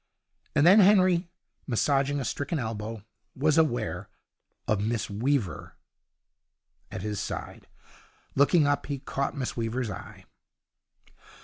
And then Henry, massaging a stricken elbow, was aware of Miss Weaver at his side. Looking up, he caught Miss Weaver's eye.